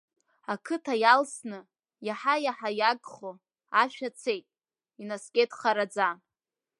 Ақыҭа иалсны, иаҳа-иаҳа иагхо, ашәа цеит, инаскьеит хараӡа.